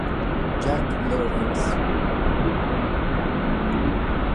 Jack Lawrence